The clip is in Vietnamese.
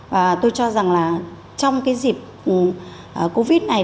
và tôi cho rằng là trong cái dịp covid này